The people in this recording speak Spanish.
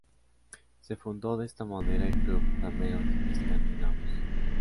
Se fundó de esta manera el Club Remeros Escandinavos.